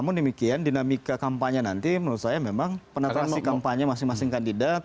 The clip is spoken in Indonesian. jadi demikian dinamika kampanye nanti menurut saya memang penetrasi kampanye masing masing kandidat